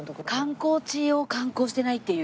観光地を観光してないっていう。